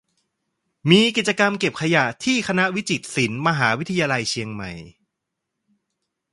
"มีกิจกรรม "เก็บขยะ" ที่คณะวิจิตรศิลป์ มหาวิทยาลัยเชียงใหม่"